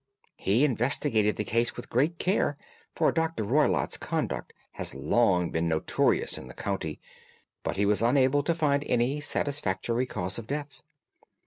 "He investigated the case with great care, for Dr. Roylott's conduct had long been notorious in the county, but he was unable to find any satisfactory cause of death.